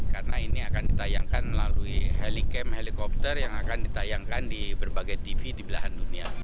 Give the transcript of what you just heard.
karena ini akan ditayangkan melalui helicam helikopter yang akan ditayangkan di berbagai tv di belahan dunia